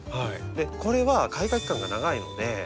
これは開花期間が長いので。